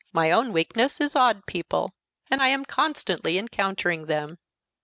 My own weakness is odd people, and I am constantly encountering them.